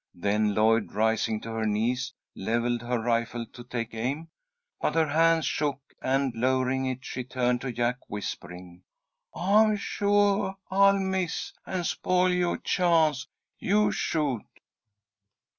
Then Lloyd, rising to her knees, levelled her rifle to take aim. But her hands shook, and, lowering it, she turned to Jack, whispering, "I'm suah I'll miss, and spoil yoah chance. You shoot!"